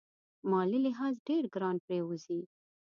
مالي لحاظ ډېر ګران پرېوزي.